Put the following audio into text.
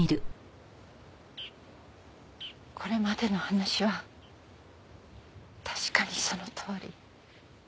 これまでの話は確かにそのとおり。